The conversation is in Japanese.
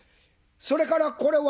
それからこれは？」。